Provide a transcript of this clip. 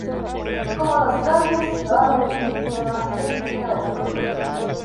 Como las calles Carmen y Lira, entre otros.